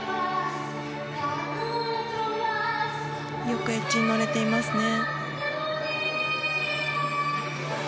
よくエッジ乗れていますね。